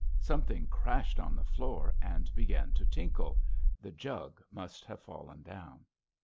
Something crashed on the floor and began to tinkle: the jug must have fallen down.